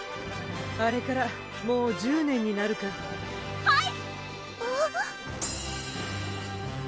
あれからもう１０年になるかはい！